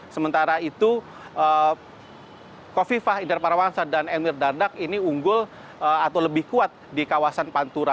sementara itu kofifah indar parawansa dan emir dardak ini unggul atau lebih kuat di kawasan pantura